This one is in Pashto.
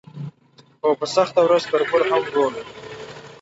خو په سخته ورځ تربور هم ورور وي.